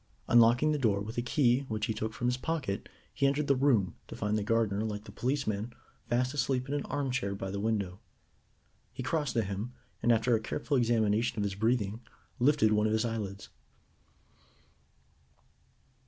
Unlocking the door with a key which he took from his pocket, he entered the room, to find the gardener, like the policeman, fast asleep in an armchair by the window. He crossed to him, and, after a careful examination of his breathing, lifted one of his eyelids.